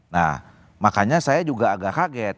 nah makanya saya juga agak kaget